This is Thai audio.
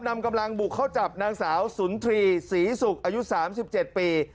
นำกำลังบุกเข้าจับนางสาวสุนทรีย์ศรีศุกร์อายุ๓๗ปี